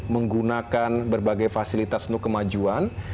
menggunakan berbagai fasilitas untuk kemajuan